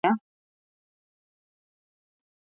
Waziri wa mambo ya nje wa Iraq aliongea